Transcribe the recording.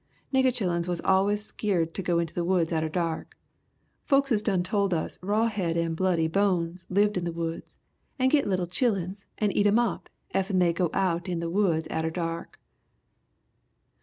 Nigger chilluns was allus skeered to go in the woods atter dark. Folkses done told us Raw Head and Bloody Bones lived in the woods and git little chilluns and eat 'em up effen they got out in the woods atter dark!